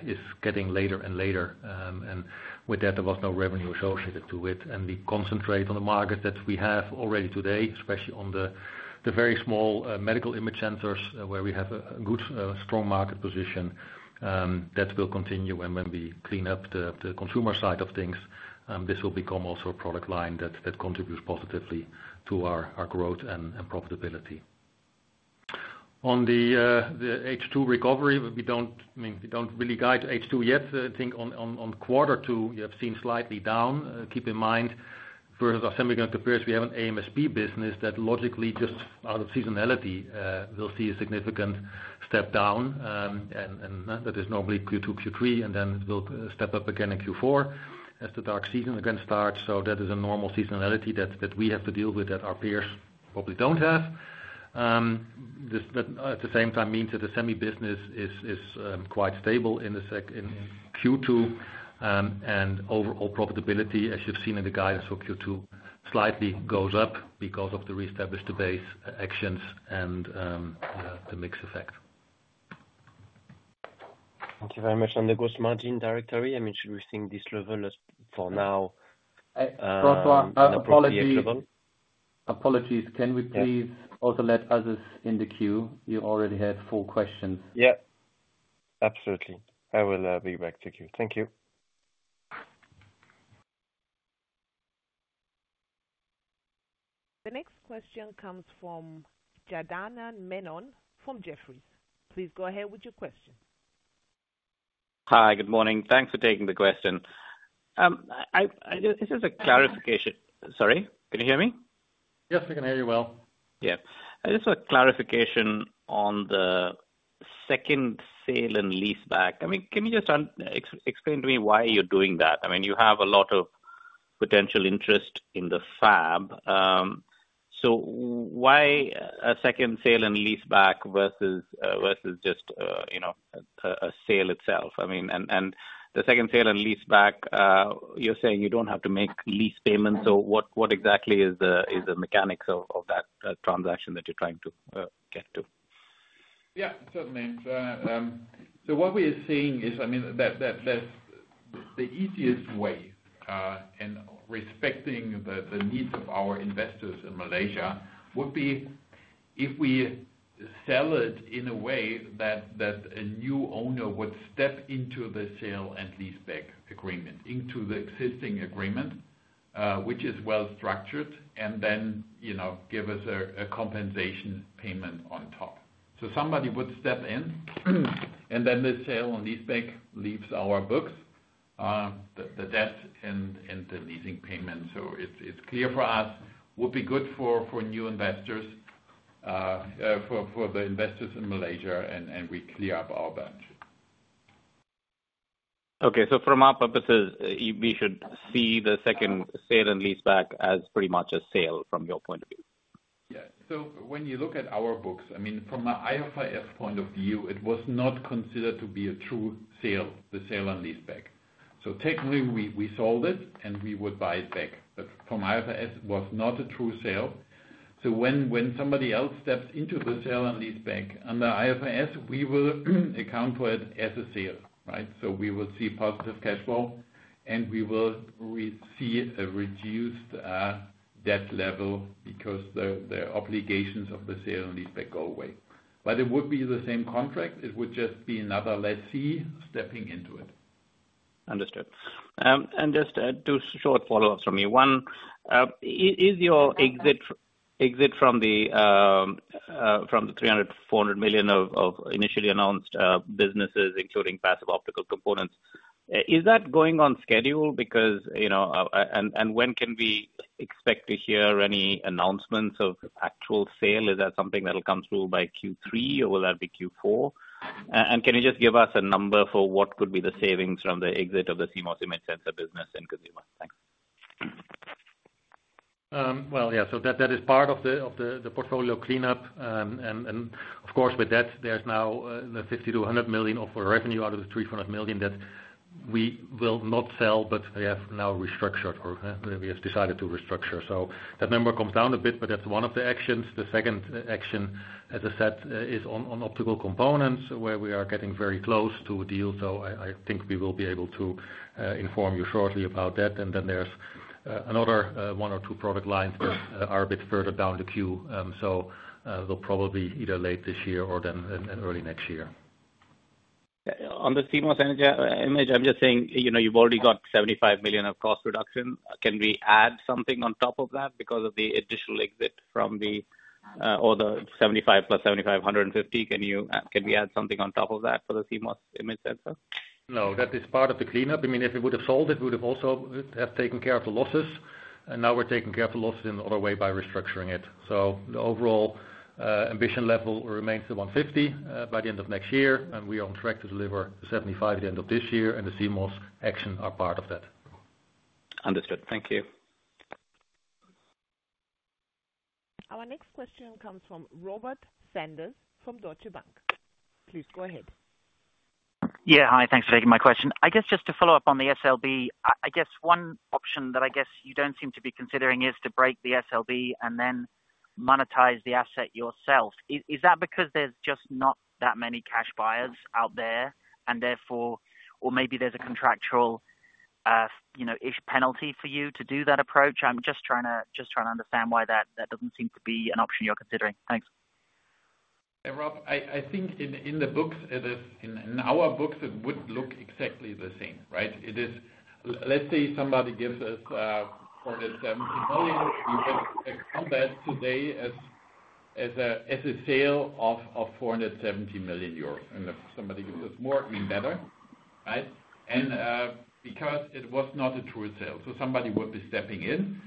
is getting later and later. And with that, there was no revenue associated to it. And we concentrate on the market that we have already today, especially on the very small medical image sensors, where we have a good strong market position that will continue. And when we clean up the consumer side of things, this will become also a product line that contributes positively to our growth and profitability. On the H2 recovery, we don't... I mean, we don't really guide H2 yet. I think on quarter two, you have seen slightly down. Keep in mind, for our semiconductor peers, we have an L&S business that logically, just out of seasonality, will see a significant step down. And that is normally Q2, Q3, and then will step up again in Q4 as the dark season again starts. So that is a normal seasonality that we have to deal with, that our peers probably don't have. This but at the same time means that the semi business is quite stable in Q2. Overall profitability, as you've seen in the guidance for Q2, slightly goes up because of the Re-establish the Base actions and the mix effect. Thank you very much. On the gross margin trajectory, I mean, should we think this level is for now? François, apologies. -appropriate level? Apologies. Can we please- Yeah... also let others in the queue? You already had four questions. Yeah, absolutely. I will be back to you. Thank you. The next question comes from Janardan Menon from Jefferies. Please go ahead with your question. Hi, good morning. Thanks for taking the question. This is a clarification. Sorry, can you hear me? Yes, we can hear you well. Yeah. Just a clarification on the second sale and leaseback. I mean, can you just explain to me why you're doing that? I mean, you have a lot of potential interest in the fab. So why a second sale and leaseback versus just, you know, a sale itself? I mean, and the second sale and leaseback, you're saying you don't have to make lease payments, so what exactly is the mechanics of that transaction that you're trying to get to? Yeah, certainly. So what we are seeing is, I mean, that the easiest way, in respecting the needs of our investors in Malaysia, would be if we sell it in a way that a new owner would step into the sale-and-leaseback agreement, into the existing agreement, which is well structured, and then, you know, give us a compensation payment on top. So somebody would step in, and then the sale-and-leaseback leaves our books, the debt and the leasing payment. So it's clear for us, would be good for new investors, for the investors in Malaysia, and we clear up our balance sheet. Okay. So from our purposes, we should see the second sale and lease back as pretty much a sale from your point of view? Yeah. So when you look at our books, I mean, from an IFRS point of view, it was not considered to be a true sale, the sale and leaseback. So technically, we sold it, and we would buy it back. But from IFRS, it was not a true sale. So when somebody else steps into the sale and leaseback, under IFRS, we will account for it as a sale, right? So we will see positive cash flow, and we will see a reduced debt level because the obligations of the sale and leaseback go away. But it would be the same contract, it would just be another lessee stepping into it. Understood. And just two short follow-ups from me. One, is your exit from the 300 million-400 million of initially announced businesses, including passive optical components, is that going on schedule? Because, you know... And when can we expect to hear any announcements of actual sale? Is that something that'll come through by Q3, or will that be Q4? And can you just give us a number for what could be the savings from the exit of the CMOS image sensor business and consumer? Thanks. Well, yeah, so that, that is part of the, of the, the portfolio cleanup. And, and of course, with that, there's now the 50 million- 100 million of revenue out of the 300 million that we will not sell, but we have now restructured or, we have decided to restructure. So that number comes down a bit, but that's one of the actions. The second action, as I said, is on, on optical components, where we are getting very close to a deal. So I, I think we will be able to, inform you shortly about that. And then there's, another, one or two product lines that are a bit further down the queue, so, they'll probably either late this year or then, then early next year. On the CMOS image, I'm just saying, you know, you've already got 75 million of cost reduction. Can we add something on top of that because of the additional exit from the or the 75 million plus 150 million? Can we add something on top of that for the CMOS image sensor? No, that is part of the cleanup. I mean, if we would have sold, it would have also have taken care of the losses, and now we're taking care of the losses in another way by restructuring it. So the overall ambition level remains the 150 million by the end of next year, and we are on track to deliver 75 million at the end of this year, and the CMOS action are part of that. Understood. Thank you. Our next question comes from Robert Sanders, from Deutsche Bank. Please go ahead. Yeah, hi. Thanks for taking my question. I guess just to follow up on the SLB, I, I guess one option that I guess you don't seem to be considering is to break the SLB and then monetize the asset yourself. Is, is that because there's just not that many cash buyers out there, and therefore... Or maybe there's a contractual, you know, is penalty for you to do that approach? I'm just trying to, just trying to understand why that, that doesn't seem to be an option you're considering. Thanks. Hey, Rob. I think in the books, it is in our books, it would look exactly the same, right? It is... Let's say somebody gives us 470 million, we account that today as a sale of 470 million euros. And if somebody gives us more, I mean, better, right? And because it was not a true sale, so somebody would be stepping in.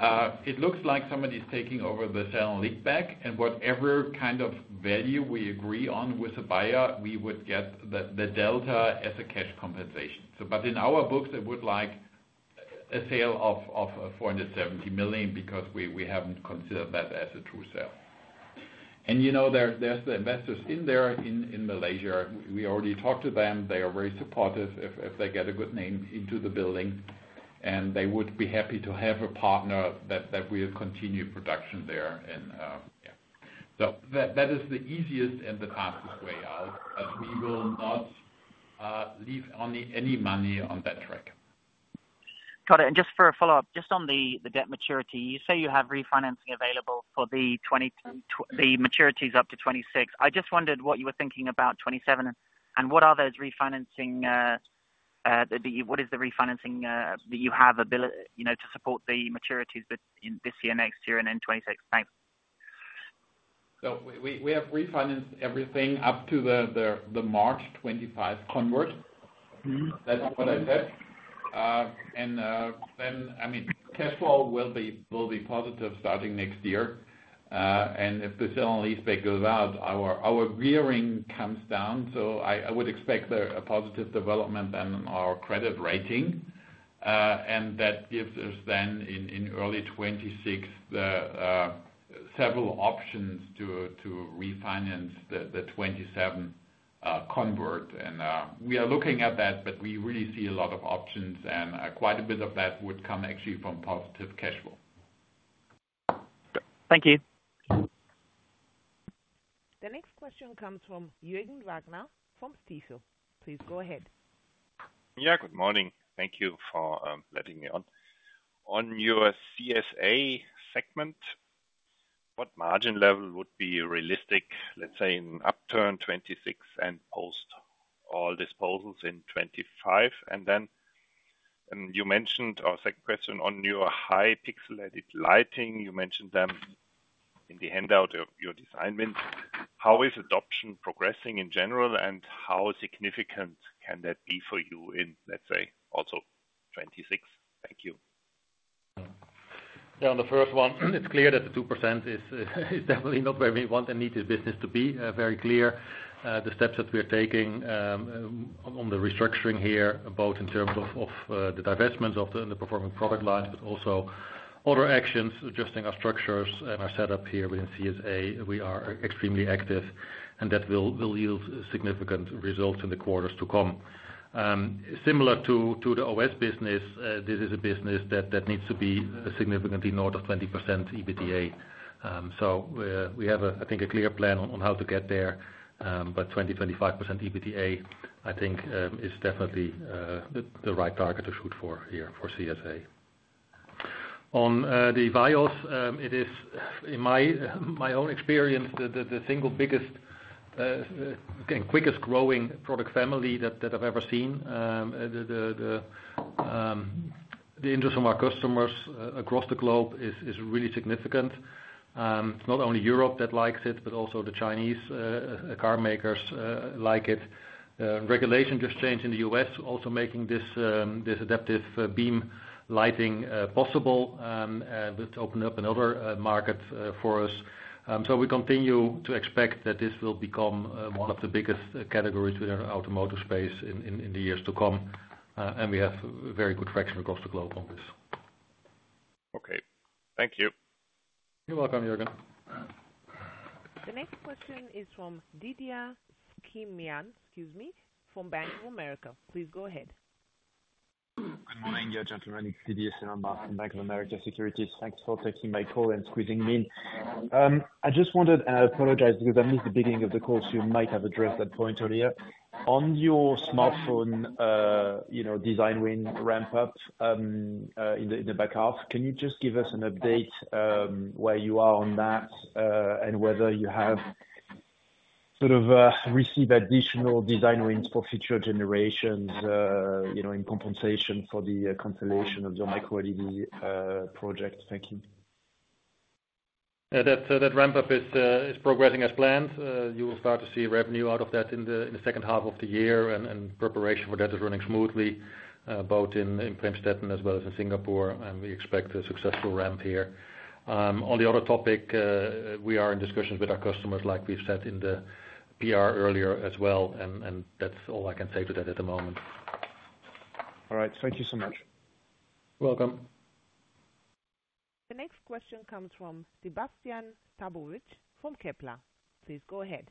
It looks like somebody's taking over the sale and leaseback, and whatever kind of value we agree on with the buyer, we would get the delta as a cash compensation. So, but in our books, it would look like a sale of 470 million, because we haven't considered that as a true sale. And you know, there's the investors in there in Malaysia. We already talked to them. They are very supportive if they get a good name into the building, and they would be happy to have a partner that will continue production there. And, yeah. So that is the easiest and the fastest way out, but we will not leave only any money on that track. Got it. And just for a follow-up, just on the debt maturity, you say you have refinancing available for the maturities up to 2026. I just wondered what you were thinking about 2027, and what are those refinancing, what is the refinancing that you have ability, you know, to support the maturities that in this year, next year, and in 2026? Thanks. So we have refinanced everything up to the March 2025 convert. Mm-hmm. That's what I said. And then, I mean, cash flow will be positive starting next year. And if the Sale and Leaseback goes out, our gearing comes down. So I would expect there a positive development in our credit rating. And that gives us then in early 2026 the several options to refinance the 2027 convert. And we are looking at that, but we really see a lot of options, and quite a bit of that would come actually from positive cash flow. Thank you. The next question comes from Jürgen Wagner, from Stifel. Please go ahead. Yeah, good morning. Thank you for letting me on. On your CSA segment, what margin level would be realistic, let's say, in upturn 2026 and post all disposals in 2025? And then, and you mentioned our second question on your high-pixel adaptive lighting. You mentioned them in the handout of your design win. How is adoption progressing in general, and how significant can that be for you in, let's say, also 2026? Thank you. Yeah, on the first one, it's clear that the 2% is definitely not where we want and need this business to be, very clear. The steps that we are taking on the restructuring here, both in terms of the divestment of the underperforming product lines, but also other actions, adjusting our structures and our setup here within CSA. We are extremely active, and that will yield significant results in the quarters to come. Similar to the OS business, this is a business that needs to be significantly north of 20% EBITDA. So, we have, I think, a clear plan on how to get there. But 20%-25% EBITDA, I think, is definitely the right target to shoot for here for CSA. On the EVIYOS, it is, in my own experience, the single biggest and quickest growing product family that I've ever seen. The interest from our customers across the globe is really significant. Not only Europe that likes it, but also the Chinese car makers like it. Regulation just changed in the U.S., also making this adaptive beam lighting possible, and that opened up another market for us. So we continue to expect that this will become one of the biggest categories with our automotive space in the years to come. And we have very good traction across the globe on this. Okay. Thank you. You're welcome, Jürgen. The next question is from Didier Scemama, excuse me, from Bank of America. Please go ahead. Good morning, dear gentlemen. It's Didier Scemama from Bank of America Securities. Thanks for taking my call and squeezing me in. I just wondered, and I apologize because I missed the beginning of the call, so you might have addressed that point earlier. On your smartphone, you know, design win ramp up in the back half, can you just give us an update where you are on that, and whether you have sort of received additional design wins for future generations, you know, in compensation for the cancellation of the microLED project? Thank you. Yeah, that that ramp up is is progressing as planned. You will start to see revenue out of that in the second half of the year, and preparation for that is running smoothly, both in Premstätten as well as in Singapore, and we expect a successful ramp here. On the other topic, we are in discussions with our customers, like we've said in the PR earlier as well, and that's all I can say to that at the moment. All right. Thank you so much. Welcome. The next question comes from Sébastien Sztabowicz, from Kepler. Please go ahead.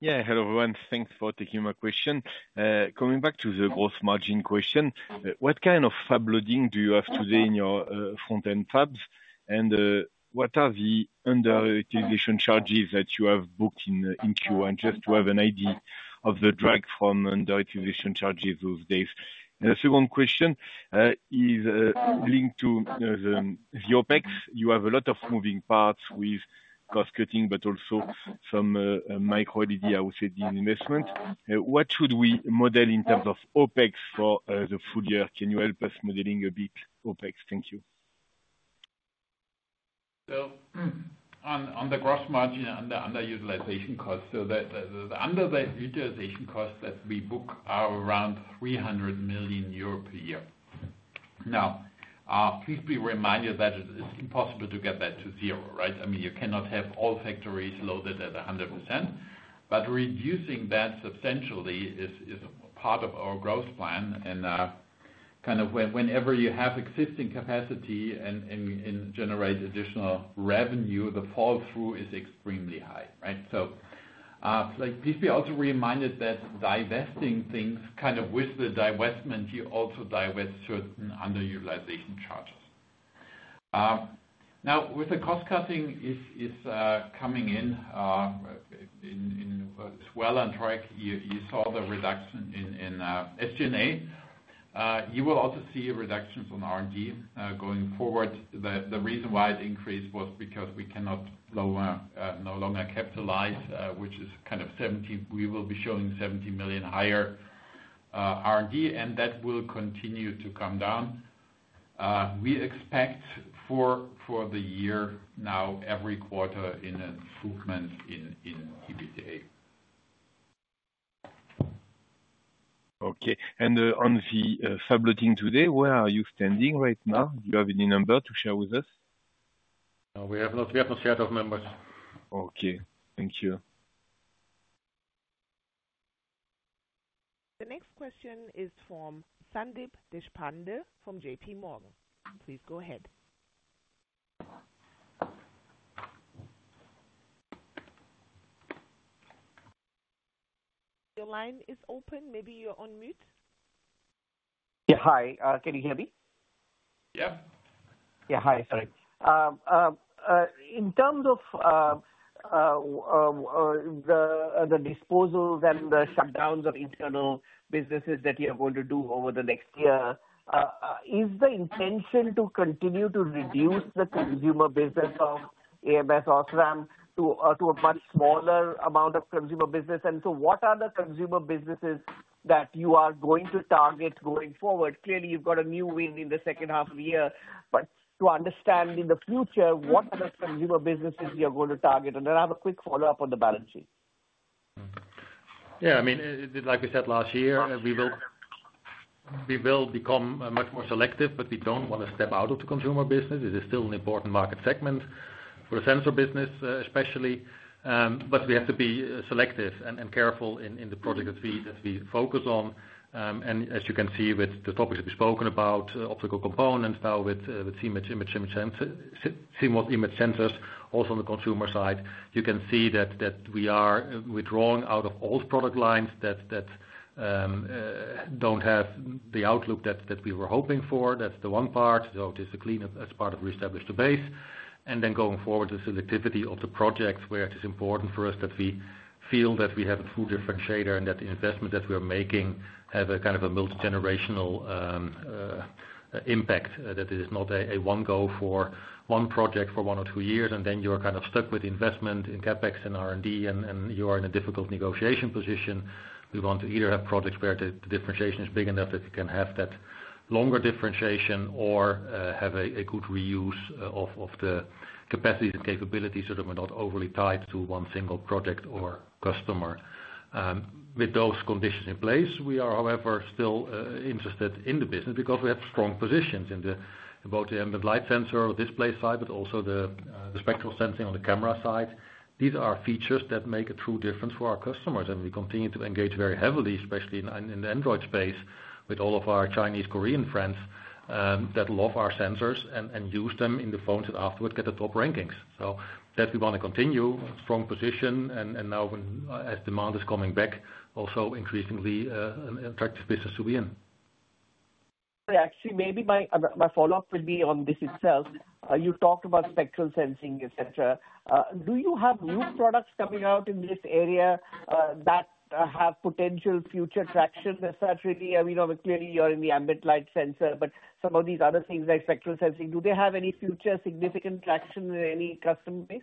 Yeah, hello, everyone. Thanks for taking my question. Coming back to the gross margin question, what kind of fab loading do you have today in your front-end fabs? And, what are the underutilization charges that you have booked in in Q1, just to have an idea of the drag from underutilization charges those days? The second question is linked to the OpEx. You have a lot of moving parts with cost cutting, but also some microLED, I would say, in investment. What should we model in terms of OpEx for the full year? Can you help us modeling a bit OpEx? Thank you. On the gross margin, on the underutilization cost, the underutilization costs that we book are around 300 million euro per year. Now, please be reminded that it's impossible to get that to zero, right? I mean, you cannot have all factories loaded at 100%, but reducing that substantially is part of our growth plan. And, kind of when, whenever you have existing capacity and generate additional revenue, the fall through is extremely high, right? So, like please be also reminded that divesting things, kind of with the divestment, you also divest certain underutilization charges. Now with the cost cutting is coming in well, on track. You saw the reduction in SG&A. You will also see a reduction from R&D going forward. The reason why it increased was because we can no longer capitalize, which is kind of 70 million. We will be showing 70 million higher R&D, and that will continue to come down. We expect for the year now, every quarter an improvement in EBITDA.... Okay, and on the fab loading today, where are you standing right now? Do you have any number to share with us? No, we have not yet set our numbers. Okay. Thank you. The next question is from Sandeep Deshpande from JPMorgan. Please go ahead. Your line is open. Maybe you're on mute. Yeah, hi, can you hear me? Yeah. Yeah, hi. Sorry. In terms of the disposals and the shutdowns of internal businesses that you are going to do over the next year, is the intention to continue to reduce the consumer business of ams OSRAM to a much smaller amount of consumer business? And so what are the consumer businesses that you are going to target going forward? Clearly, you've got a new win in the second half of the year, but to understand in the future, what are the consumer businesses you are going to target? And then I have a quick follow-up on the balance sheet. Yeah, I mean, like we said last year, we will become much more selective, but we don't want to step out of the consumer business. It is still an important market segment for the sensor business, especially. But we have to be selective and careful in the project that we focus on. And as you can see with the topics we've spoken about, optical components, now with image sensors, CMOS image sensors, also on the consumer side, you can see that we are withdrawing out of all product lines that don't have the outlook that we were hoping for. That's the one part. So it is a cleanup as part of Re-establish the Base, and then going forward, the selectivity of the project, where it is important for us that we feel that we have a true differentiator, and that the investment that we are making have a kind of a multigenerational impact. That it is not a one go for one project for one or two years, and then you are kind of stuck with investment in CapEx and R&D, and you are in a difficult negotiation position. We want to either have projects where the differentiation is big enough that you can have that longer differentiation or have a good reuse of the capacity, the capabilities that are not overly tied to one single project or customer. With those conditions in place, we are, however, still interested in the business because we have strong positions in the... both the ambient light sensor or display side, but also the spectral sensing on the camera side. These are features that make a true difference for our customers, and we continue to engage very heavily, especially in the Android space, with all of our Chinese, Korean friends that love our sensors and use them in the phones and afterwards get the top rankings. So that we want to continue strong position and now when, as demand is coming back, also increasingly an attractive business to be in. Actually, maybe my follow-up will be on this itself. You talked about spectral sensing, et cetera. Do you have new products coming out in this area that have potential future traction as such, really? I mean, obviously, clearly you're in the ambient light sensor, but some of these other things, like spectral sensing, do they have any future significant traction with any customer base?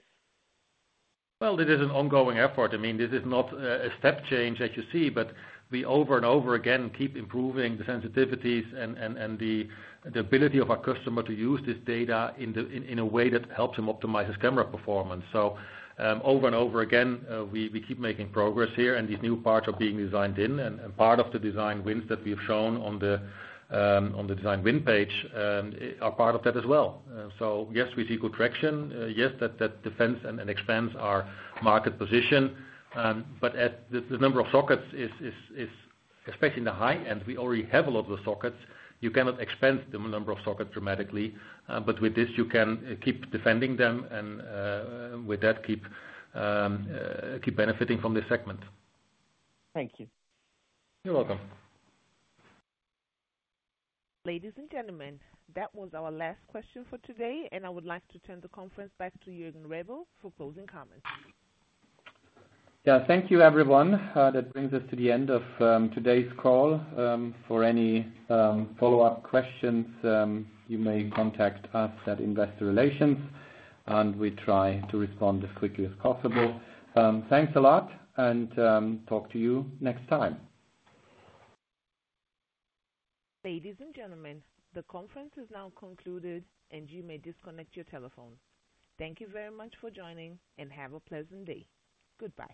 Well, it is an ongoing effort. I mean, this is not a step change that you see, but we over and over again keep improving the sensitivities and the ability of our customer to use this data in a way that helps him optimize his camera performance. So, over and over again, we keep making progress here, and these new parts are being designed in, and part of the design wins that we've shown on the design win page are part of that as well. So yes, we see good traction. Yes, that defends and expands our market position. But at the number of sockets is especially in the high end, we already have a lot of the sockets. You cannot expand the number of sockets dramatically, but with this, you can keep defending them and, with that, keep benefiting from this segment. Thank you. You're welcome. Ladies and gentlemen, that was our last question for today, and I would like to turn the conference back to Jürgen Rebel for closing comments. Yeah, thank you, everyone. That brings us to the end of today's call. For any follow-up questions, you may contact us at Investor Relations, and we try to respond as quickly as possible. Thanks a lot, and talk to you next time. Ladies and gentlemen, the conference is now concluded, and you may disconnect your telephone. Thank you very much for joining, and have a pleasant day. Goodbye.